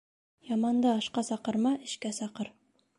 Яманды ашҡа саҡырма, эшкә саҡыр.